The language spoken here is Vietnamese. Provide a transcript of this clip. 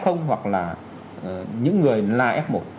hoặc là những người là f một